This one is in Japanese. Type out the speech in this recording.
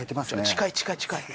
近い近い近い！